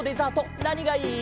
なにがいい？